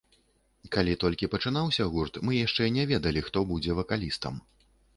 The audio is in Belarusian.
Калі толькі пачынаўся гурт, мы яшчэ не ведалі, хто будзе вакалістам.